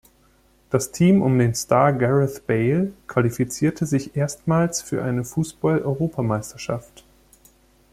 Das Team um den Star Gareth Bale qualifizierte sich erstmals für eine Fußball-Europameisterschaft.